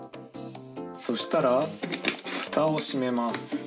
そしたらフタを閉めます。